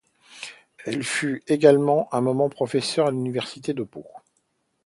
Elle fut également un moment professeur à l'Université de Pau.